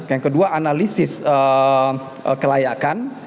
yang kedua analisis kelayakan